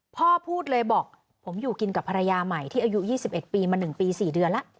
พ่อพูดเลยบอกผมอยู่กินกับภรรยาใหม่ที่อายุยี่สิบเอ็ดปีมาหนึ่งปีสี่เดือนละ